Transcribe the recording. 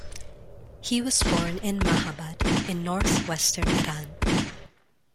He was born in Mahabad, in north-western Iran.